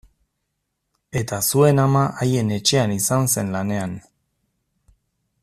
Eta zuen ama haien etxean izan zen lanean.